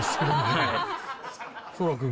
はい。